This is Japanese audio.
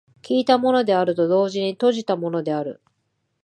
開いたものであると同時に閉じたものである。